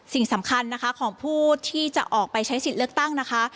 สิ่งสำคัญของผู้ใช้สิทธิ์เลือกตั้ง